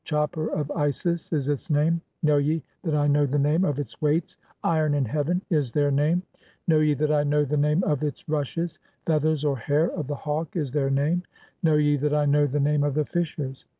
"Chopper of Isis' [is its name]. Know ye that I know the name 'of its weights? 'Iron (8) in heaven' [is their name]. Know ye 'that I know the name of [its] rushes? 'Feathers (or hair) of 'the Hawk' [is their name]. Know ye (9) that I know the name 'of the fishers?